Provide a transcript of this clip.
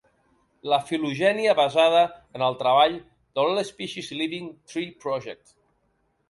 La filogènia basada en el treball de l'All-Species Living Tree Project.